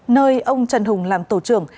nơi ông trần hùng làm tổ trưởng